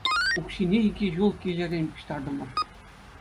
Укҫине икӗ ҫул килӗрен пуҫтартӑмӑр.